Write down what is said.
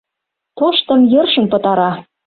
Тоштым йӧршын пытара.